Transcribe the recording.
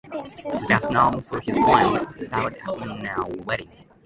He is best known for his poem "Ballad Upon a Wedding".